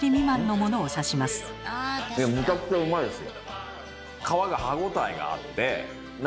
むちゃくちゃうまいですよ。